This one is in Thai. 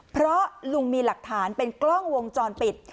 เพราะลุงมีหลักฐานเป็นกล้องวงจรปิด